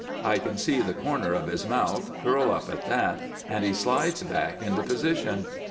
I can see the corner of his mouth curl up at that, and he slides back into position.